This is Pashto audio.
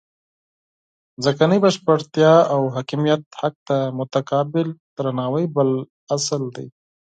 ځمکنۍ بشپړتیا او د حاکمیت حق ته متقابل درناوی بل اصل دی.